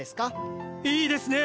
いいですね。